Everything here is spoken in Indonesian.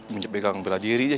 menyebikang bela diri aja